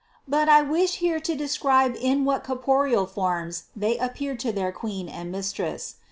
But I wish here to describe in what corporeal forms they appeared to their Queen and Mistress.